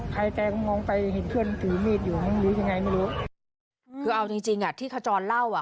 ใครแฟนมองไปเห็นเพื่อนถือมีดอยู่ไม่รู้ยังไงไม่รู้คือเอาจริงจริงอ่ะที่ขจรเล่าอ่ะ